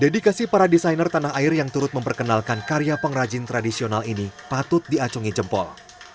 dedikasi para desainer tanah air yang turut memperkenalkan karya pengrajin tradisional ini patut diacungi jempol